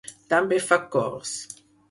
També fa cors.